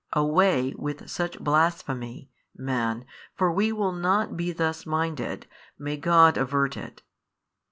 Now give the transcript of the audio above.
Away with such blasphemy, man, for we will not be thus minded, may God avert it!